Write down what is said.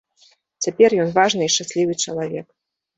Цяпер ён важны і шчаслівы чалавек.